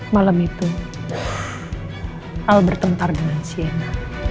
malam itu al bertentang dengan siana